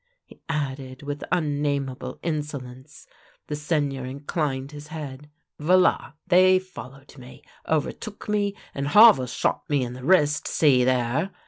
" he added with unnamable insolence. The Seigneur inclined his liead. "V*/a! they followed me, overtook me, and Havel shot me in the wrist — see there!